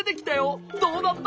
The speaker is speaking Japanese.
どうだった？